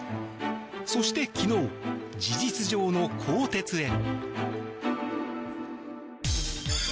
そして、昨日事実上の更迭へ。